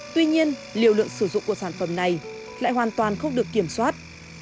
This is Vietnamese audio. tuy nhiên liều lượng sử dụng của sản phẩm này lại hoàn toàn không được kiểm soát